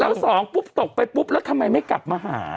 แล้วสองปุ๊บตกไปปุ๊บแล้วทำไมไม่กลับมาหา